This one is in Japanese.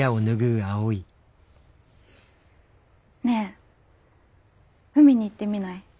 ねえ海に行ってみない？